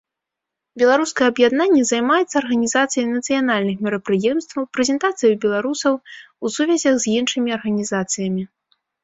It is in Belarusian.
Беларускае аб'яднанне займаецца арганізацыяй нацыянальных мерапрыемстваў, прэзентацыяй беларусаў у сувязях з іншымі арганізацыямі.